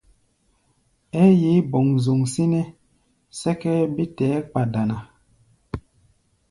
Ɛ́ɛ́ yeé boŋzoŋ sínɛ́ sɛ́kʼɛ́ɛ́ bé tɛɛ́ kpa dana.